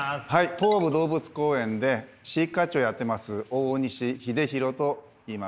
東武動物公園で飼育課長やってます大西秀弘といいます。